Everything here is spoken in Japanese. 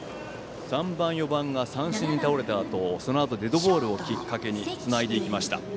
３番、４番が三振に倒れたあとデッドボールをきっかけにつないでいきました。